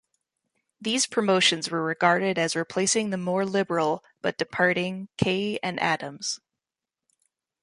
These promotions were regarded as replacing the more liberal but departing Kaye and Adams.